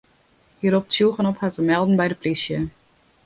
Hy ropt tsjûgen op har te melden by de plysje.